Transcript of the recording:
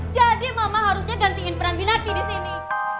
jadi mama harusnya gantiin peran recipient buyinti disini